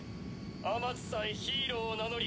あまつさえヒーローを名乗り！